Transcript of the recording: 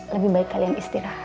lebih baik kalian istirahat